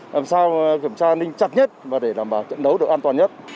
làm sao kiểm tra an ninh chặt nhất và để đảm bảo trận đấu được an toàn nhất